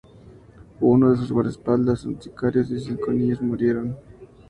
Uno de sus guardaespaldas, dos sicarios y cinco niños murieron durante la balacera.